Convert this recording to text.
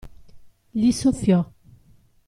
Gli soffiò.